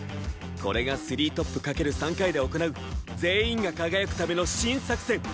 これがスリートップかける３回で行う全員が輝くための新作戦。